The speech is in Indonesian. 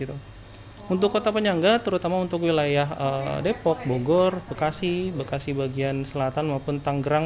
untuk kota penyangga terutama untuk wilayah depok bogor bekasi bekasi bagian selatan maupun tanggerang